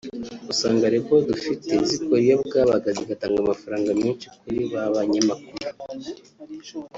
usanga labels dufite zikora iyo bwabaga zigatanga amafaranga menshi kuri ba banyamakuru